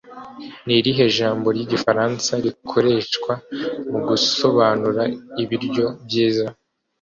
Ni irihe jambo ry'igifaransa rikoreshwa mu gusobanura ibiryo byiza?